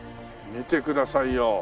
見てくださいよ。